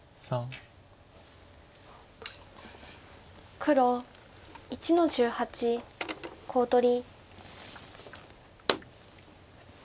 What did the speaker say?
黒１の十八コウ取り。